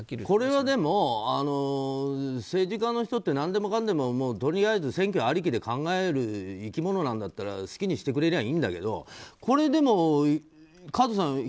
これは政治家の人って何でもかんでもとりあえず選挙ありきで考える生き物なんだったら好きにしてくれりゃいいけどこれ、和津さん